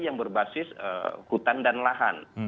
yang berbasis hutan dan lahan